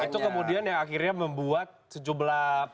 itu kemudian yang akhirnya membuat sejumlah